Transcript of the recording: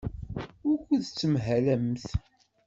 Wukud tettmahalemt?